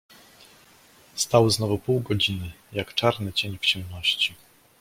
"Stał znowu pół godziny, jak czarny cień w ciemności."